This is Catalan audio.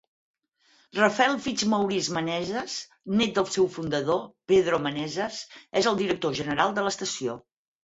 Rafael Fitzmaurice Meneses, net del seu fundador, Pedro Meneses, és el director general de l"estació.